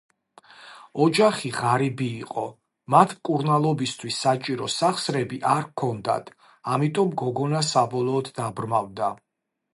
ოჯახი ღარიბი იყო, მათ მკურნალობისთვის საჭირო სახსრები არ ჰქონდათ, ამიტომ გოგონა საბოლოოდ დაბრმავდა.